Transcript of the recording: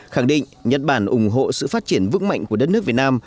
khẳng định nhật bản ủng hộ sự phát triển vững mạnh của đất nước việt nam